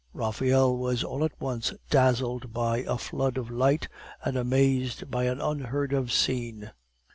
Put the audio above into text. Raphael was all at once dazzled by a flood of light and amazed by an unheard of scene.